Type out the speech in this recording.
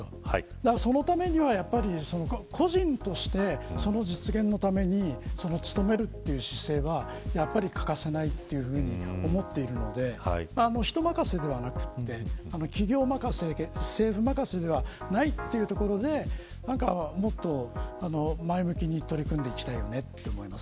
だからそのためには個人として、その実現のために努めるという姿勢はやっぱり欠かせないと思っているので人任せではなくて企業任せ、政府任せではないというところでもっと前向きに取り組んでいきたいよねと思います。